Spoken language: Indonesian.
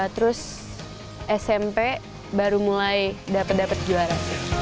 terus smp baru mulai dapat dapat juara